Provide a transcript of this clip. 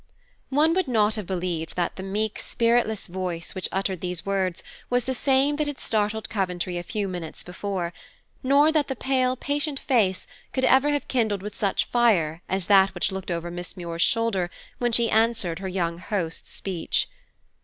One would not have believed that the meek, spiritless voice which uttered these words was the same that had startled Coventry a few minutes before, nor that the pale, patient face could ever have kindled with such sudden fire as that which looked over Miss Muir's shoulder when she answered her young host's speech.